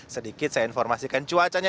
sedikit saya informasikan cuacanya